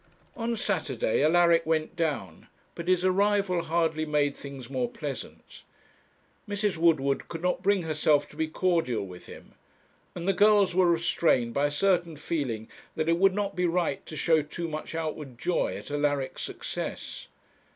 On Saturday Alaric went down, but his arrival hardly made things more pleasant. Mrs. Woodward could not bring herself to be cordial with him, and the girls were restrained by a certain feeling that it would not be right to show too much outward joy at Alaric's success.